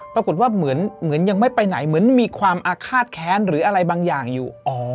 ปรากฏว่าเหมือนยังไม่ไปไหนเหมือนมีความอาฆาตแค้นหรืออะไรบางอย่างอยู่